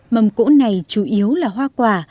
mâm cỗ này chủ yếu là hoa quả